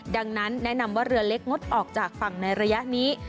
ดังนั้นแนะนำว่าเรือเล็กงดออกจากฝั่งในระยะนี้